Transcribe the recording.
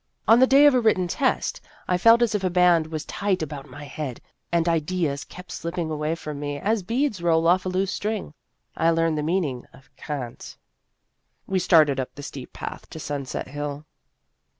On the day of a written test, I felt as if a band was tight about my head, and ideas kept slipping away from me as beads roll off a loose string. I learned the meaning of cant" We started up the steep path to Sun set Hill.